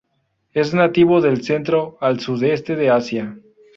Es nativo del centro al sudeste de Asia.